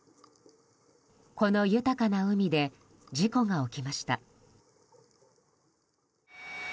この豊かな海で事故が起きました。